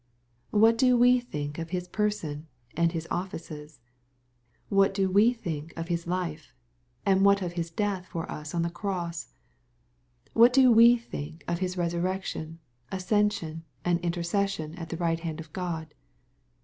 What do we think of His person, and His offices ? What do we think of His life, and wha,t of His death for as on the cross ? What do we think of His resurrection, ascension, and intercession at the right hand of God